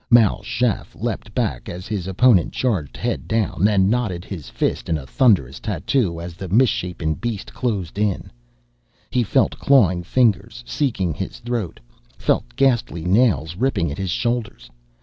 Mal Shaff leaped back as his opponent charged head down, and his knotted fist beat a thunderous tattoo as the misshapen beast closed in. He felt clawing fingers seeking his throat, felt ghastly nails ripping at his shoulders.